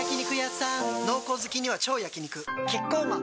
濃厚好きには超焼肉キッコーマン